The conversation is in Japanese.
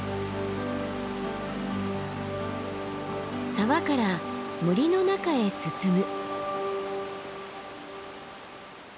沢から森の中へ進む。